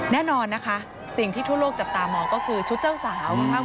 แน่นอนนะคะสิ่งที่ทั่วโลกจับตามองก็คือชุดเจ้าสาว